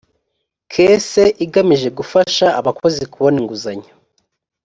caisse igamije gufasha abakozi kubona inguzanyo